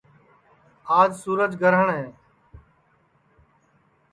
آج سُورج گرہٹؔ ہے